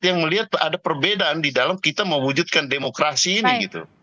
yang melihat ada perbedaan di dalam kita mewujudkan demokrasi ini gitu